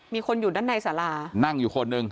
มีคนอยู่ด้านในสารานั่งอยู่คนหนึ่ง